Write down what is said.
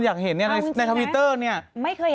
วันนี้เรามีการคุยกลุ่นสอนเต้นด้วย